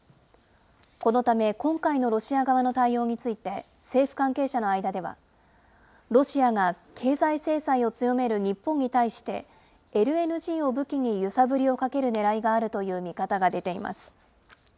このため、今回のロシア側の対応について、政府関係者の間では、ロシアが経済制裁を強める日本に対して、ＬＮＧを武器に揺さぶりをかけるねらいがあるという見方が出ています。